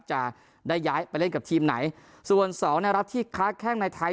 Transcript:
จะได้ย้ายไปเล่นกับทีมไหนส่วนสองในรัฐที่ค้าแข้งในไทย